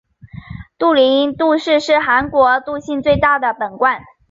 杜陵杜氏是韩国杜姓最大的本贯。